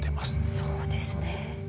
そうですね。